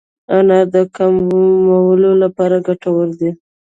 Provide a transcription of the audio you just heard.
انار د کولمو لپاره ګټور دی.